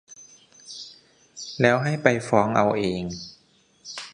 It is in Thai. แล้วให้ไปฟ้องเอาเอง